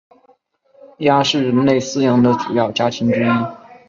鸭是人类饲养的主要家禽之一。